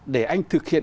để anh thực hiện